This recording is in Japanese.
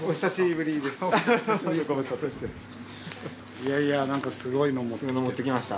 いやいや何かすごいの持ってきた。